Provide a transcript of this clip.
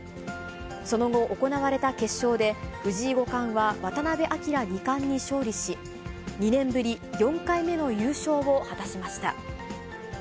その後、行われた決勝で、藤井五冠は渡辺明二冠に勝利し、２年ぶり４回目の優勝を果たしました。